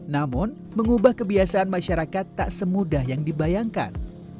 namun mengubah kebiasaan masyarakat tak semudah yang dibayangkan